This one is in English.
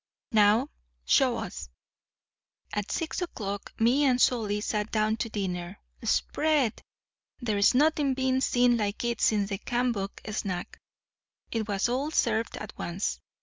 Now, show us.' "At six o'clock me and Solly sat down to dinner. Spread! There's nothing been seen like it since the Cambon snack. It was all served at once.